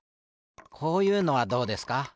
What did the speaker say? こういうのはどうですか？